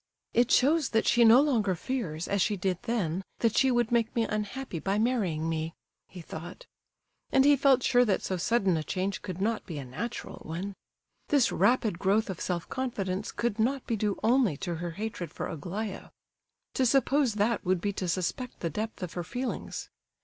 "It shows that she no longer fears, as she did then, that she would make me unhappy by marrying me," he thought. And he felt sure that so sudden a change could not be a natural one. This rapid growth of self confidence could not be due only to her hatred for Aglaya. To suppose that would be to suspect the depth of her feelings.